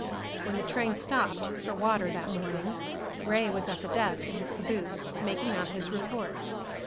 When the train stopped for water that morning, Ray was at the desk in his caboose, making out his report.